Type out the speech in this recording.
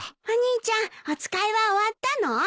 お兄ちゃんお使いは終わったの？